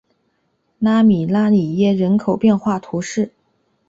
拉米拉里耶人口变化图示